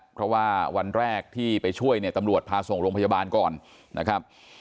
เพราะว่าวันแรกที่ไปช่วยเนี่ยตำรวจพาส่งโรงพยาบาลก่อนนะครับ